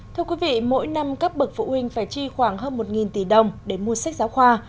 thưa quý vị mỗi năm các bậc phụ huynh phải chi khoảng hơn một tỷ đồng để mua sách giáo khoa